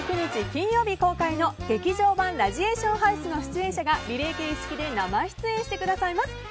金曜日公開の「劇場版ラジエーションハウス」の出演者がリレー形式で生出演してくださいます。